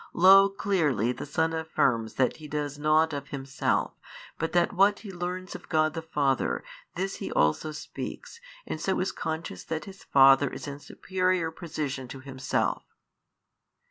Lo clearly the Son affirms that He does nought of Himself, but that what He learns of God the Father, this He also speaks, and so is conscious that His Father is in superior position to Himself."